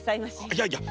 いやいや！